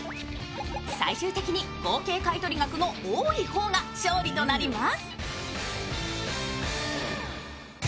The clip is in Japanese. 最終的に合計買取額の多い方が勝利となります。